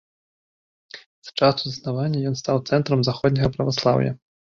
З часу заснавання ён стаў цэнтрам заходняга праваслаўя.